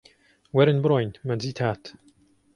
وەرن بڕۆین! مەجید هات